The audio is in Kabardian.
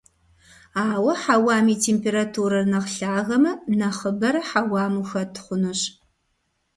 Ауэ хьэуам и температурэр нэхъ лъагэмэ, нэхъыбэрэ хьэуам ухэт хъунущ.